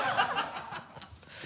ハハハ